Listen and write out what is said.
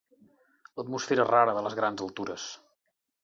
L'atmosfera rara de les grans altures.